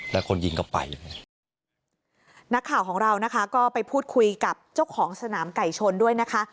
แล้วคนยิงก็ไปนักข่าวของเรานะคะก็ไปพูดคุยกับเจ้าของสนามไก่ชนด้วยนะคะ